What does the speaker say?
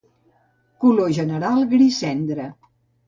Color general gris cendra.